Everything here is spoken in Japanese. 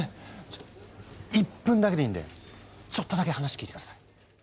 １分だけでいいんでちょっとだけ話聞いて下さい。